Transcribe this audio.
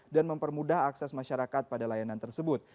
dan mempermudah akses masyarakat pada layanan tersebut